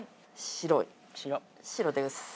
白です。